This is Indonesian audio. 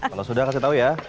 kalau sudah kasih tahu ya